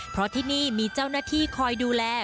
เพราะที่นี่มีเจ้าหน้าที่คอยดูแล